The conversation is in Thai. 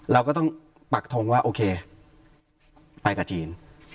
เราก็ต้องปักทงว่าโอเคไปกับจีน